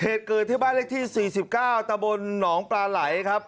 เหตุผลที่บ้านเลขที่สี่สิบเก้าตะบนหนองปลาไหล่ครับ